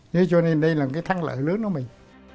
thế cho nên đây là cái thắng lợi lớn của mình